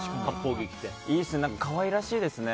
いいですね、可愛らしいですね。